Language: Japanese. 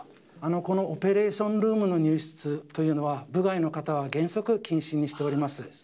このオペレーションルームの入室というのは、部外の方は原則禁止にしております。